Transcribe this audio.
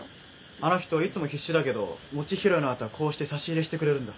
あの人いつも必死だけど餅拾いの後はこうして差し入れしてくれるんだ。